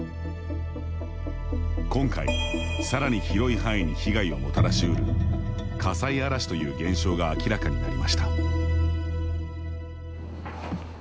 今回、さらに広い範囲に被害をもたらし得る火災嵐という現象が明らかになりました。